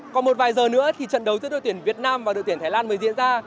còn một vài giờ nữa thì trận đấu giữa đội tuyển việt nam và đội tuyển thái lan mới diễn ra